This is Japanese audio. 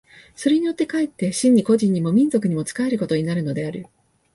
それによって却って真に個人にも民族にも仕えることになるのである。